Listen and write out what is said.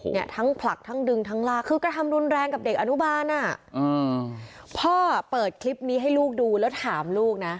เนี่ยทั้งผลักทั้งดึงทั้งลากคือกระทำรุนแรงกับเด็กอนุบาลอ่ะอืมพ่อเปิดคลิปนี้ให้ลูกดูแล้วถามลูกนะ